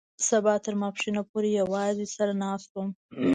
سبا تر ماسپښينه پورې يوازې سر ناست وم.